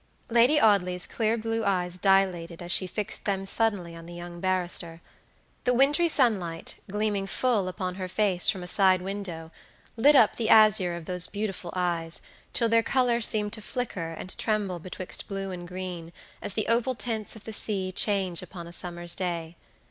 Lady Audley's clear blue eyes dilated as she fixed them suddenly on the young barrister. The wintry sunlight, gleaming full upon her face from a side window, lit up the azure of those beautiful eyes, till their color seemed to flicker and tremble betwixt blue and green, as the opal tints of the sea change upon a summer's day.